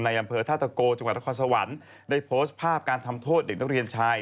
อำเภอธาตะโกจังหวัดนครสวรรค์ได้โพสต์ภาพการทำโทษเด็กนักเรียนชาย